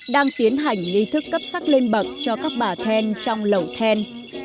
đang tiến hành nghi thức cấp sắc lên bậc cho các bà then trong lẩu then